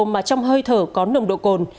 mà trong hơi thở có nồng độ cồn